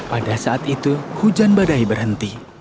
pada saat itu hujan badai berhenti